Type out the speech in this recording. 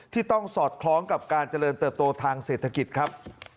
ที่ต้องสอดคล้องกับการเจริญเติบโตทางเศรษฐกิจครับ